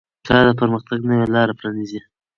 کار د پرمختګ نوې لارې پرانیزي